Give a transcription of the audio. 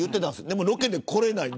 でもロケで来れない。